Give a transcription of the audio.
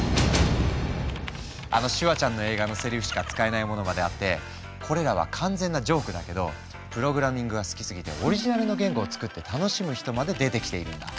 あのシュワちゃんの映画のセリフしか使えないものまであってこれらは完全なジョークだけどプログラミングが好きすぎてオリジナルの言語を作って楽しむ人まで出てきているんだ。